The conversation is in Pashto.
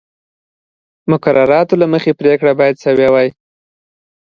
مقرراتو له مخې پرېکړه باید شوې وای